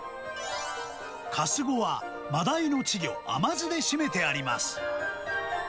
カスゴはマダイの稚魚、甘酢で締めてあります。